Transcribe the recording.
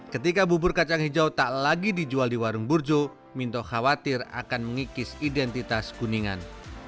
ketika bubur kacang hijau tak lagi dijual di warung burjo minto khawatir akan mengikis identitas kuningan